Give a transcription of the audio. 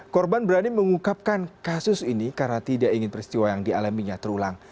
korban berani mengukapkan kasus ini karena tidak ingin peristiwa yang dialaminya terulang